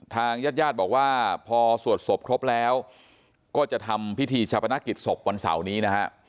ทางญาติญาติบอกว่าพอสวดศพครบแล้วก็จะทำพิธีชาปนกิจศพวันเสาร์นี้นะฮะ